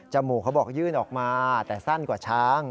มูกเขาบอกยื่นออกมาแต่สั้นกว่าช้าง